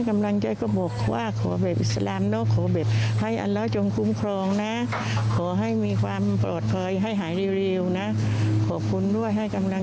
ไม่คิดว่าจะได้เจอได้พูดคุยกับน้องนุกเนาะ